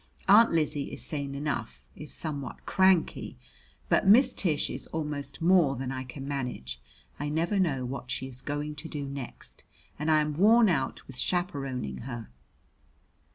Aunt Lizzie is sane enough, if somewhat cranky; but Miss Tish is almost more than I can manage I never know what she is going to do next and I am worn out with chaperoning her.